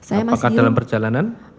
apakah dalam perjalanan